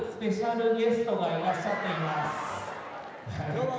どうも！